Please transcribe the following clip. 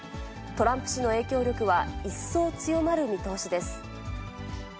トランプ氏の影響力は、一層強まる見通しです。